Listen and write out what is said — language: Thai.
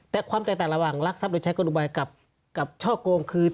แต่ความแตกต่างระหว่างรักทรัพย์โดยใช้กลุบายกับช่อโกงคือ